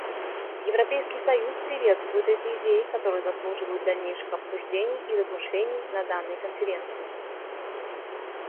Европейский союз приветствует эти идеи, которые заслуживают дальнейших обсуждений и размышлений на данной Конференции.